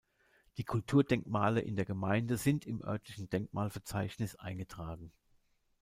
Die Kulturdenkmale in der Gemeinde sind im örtlichen Denkmalverzeichnis eingetragen.